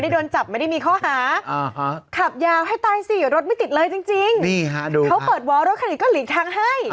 ต้องใช้คำนี้ก่อน